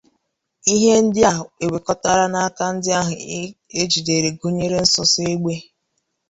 Ihe ndị e nwekọtara n'aka ndị ahụ e jidere gụnyere nsụnsụ egbe